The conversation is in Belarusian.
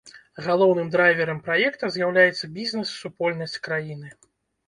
Галоўным драйверам праекта з'яўляецца бізнес-супольнасць краіны.